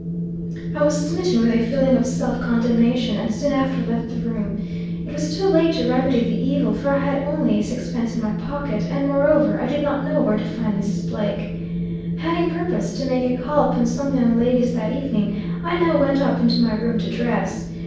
"I was smitten with a feeling of self condemnation, and soon after left the room. It was too late to remedy the evil, for I had only a sixpence in my pocket; and, moreover, I did not know where to find Mrs. Blake. Having purposed to make a call upon some young ladies that evening, I now went up into my room to dress.